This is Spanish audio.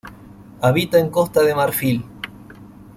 Habita en Costa de Marfil.